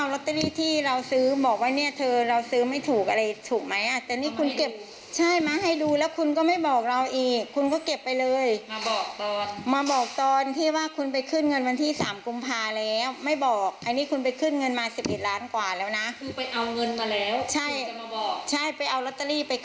แล้วมาบอกพี่อีกทีมันที่จิต